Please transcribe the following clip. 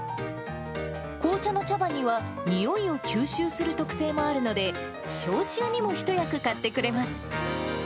紅茶の茶葉には臭いを吸収する特性もあるので、消臭にも一役買ってくれます。